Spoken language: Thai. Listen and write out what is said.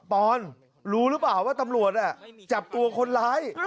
ปอนรู้หรือเปล่าว่าตำรวจจับตัวคนร้าย